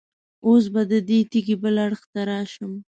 اوس به د دې تیږې بل اړخ ته راشم.